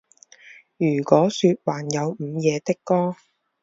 如果说还有午夜的歌